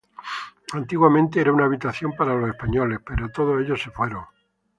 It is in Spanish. Antiguamente, era una habitación para los españoles, pero todos ellos se fueron.